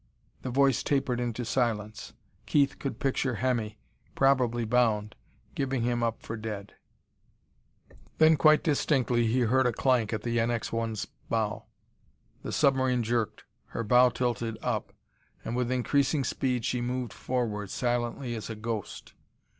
The voice tapered into silence. Keith could picture Hemmy, probably bound, giving him up for dead.... Then, quite distinctly, he heard a clank at the NX 1's bow! The submarine jerked, her bow tilted up and with increasing speed she moved forward, silently as a ghost.